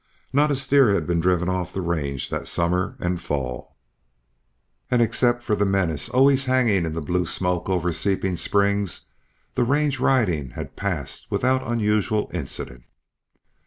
Not a steer had been driven off the range that summer and fall; and except for the menace always hanging in the blue smoke over Seeping Springs the range riding had passed without unusual incident.